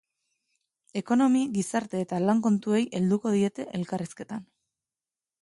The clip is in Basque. Ekonomi, gizarte eta lan kontuei helduko diete elkarrizketan.